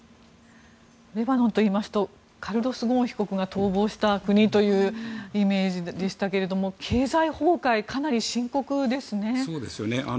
レバノンといいますとカルロス・ゴーン被告が逃亡した国というイメージでしたけれども経済崩壊、かなり深刻ですね。